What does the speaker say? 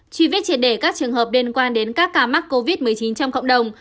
truy vết triệt để các trường hợp liên quan đến các ca mắc covid một mươi chín trong cộng đồng